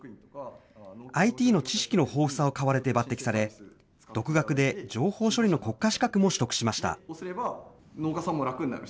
ＩＴの知識の豊富さを買われて抜てきされ、独学で情報処理の国家資格も取得しました。